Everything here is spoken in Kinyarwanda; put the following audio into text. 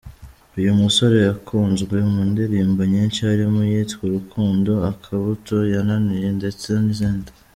Uyu musore yakunzwe mu ndirimbo nyinshi harimo iyitwa Urukundo , Akabuto, Yananiye ndetse n’izindi.